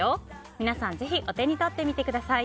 皆さん、ぜひお手に取ってみてください。